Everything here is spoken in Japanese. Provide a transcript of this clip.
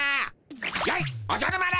やいっおじゃる丸！